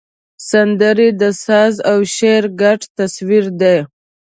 سندره د ساز او شعر ګډ تصویر دی